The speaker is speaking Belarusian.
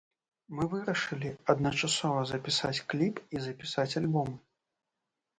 Мы вырашылі адначасова запісаць кліп і запісаць альбом.